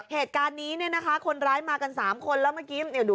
เหตุการณ์นี้เนี้ยนะคะคนร้ายมากันสามคนแล้วเมื่อกี้